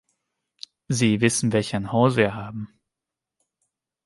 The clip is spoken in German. Sie wissen welch ein Haus wir haben.